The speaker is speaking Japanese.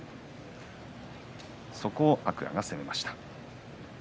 そこを天空海が攻めました。